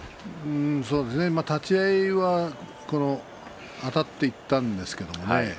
立ち合いはあたっていったんですけどね。